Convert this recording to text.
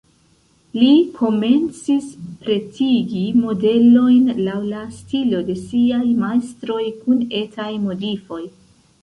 Li komencis pretigi modelojn laŭ la stilo de siaj majstroj, kun etaj modifoj.